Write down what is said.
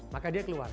maka dia keluar